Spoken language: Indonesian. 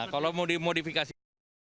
kalau mau dimodifikasi